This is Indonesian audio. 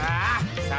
udah udah udah